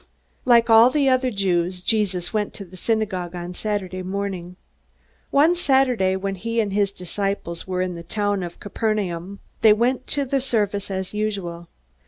Like all the other Jews, Jesus went to the synagogue on Saturday mornings. One Saturday when he and his disciples were in the town of Capernaum they went to the service as usual.